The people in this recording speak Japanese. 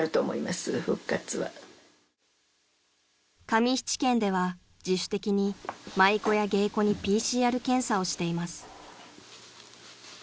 ［上七軒では自主的に舞妓や芸妓にＰＣＲ検査をしています］